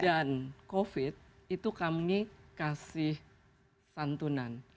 dan covid itu kami kasih santunan